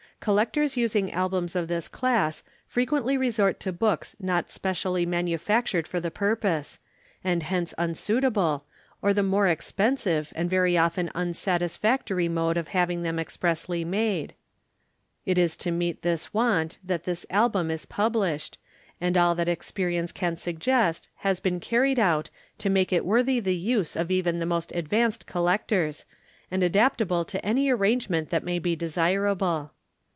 Collectors using Albums of this class frequently resort to books not specially manufactured for the purpose, and hence unsuitable, or the more expensive and very often unsatisfactory mode of having them expressly made; it is to meet this want that this Album is published, and all that experience can suggest has been carried out to make it worthy the use of even the most advanced collectors, and adaptable to any arrangement that may be desirable.